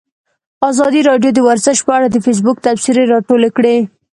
ازادي راډیو د ورزش په اړه د فیسبوک تبصرې راټولې کړي.